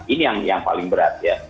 ini yang paling berat ya